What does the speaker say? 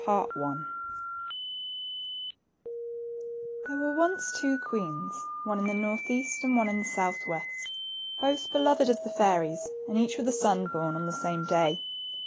rilHERE were once two queens, one in the north east and one in the south west, both beloved of the fairies, and each with a son born on the same day.